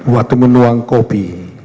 waktu menuang kopi